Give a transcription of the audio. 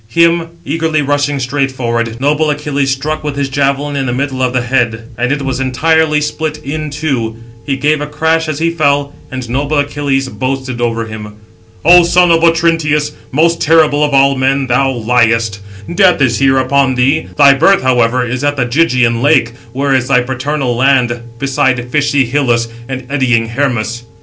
664 Him, eagerly rushing straight forward, noble Achilles struck with his javelin in the middle of the head; and it was entirely split in two. He gave a crash as he fell, and noble Achilles boasted over him: Footnote 664: (return) A town of Mæonia in Lydia. See Steph. Byz. s. v. "O son of Otrynteus, most terrible of all men, thou liest; death is here upon thee. Thy birth, however, is at the Gygæan lake, where is thy paternal land, beside fishy Hyllus, and eddying Hermus."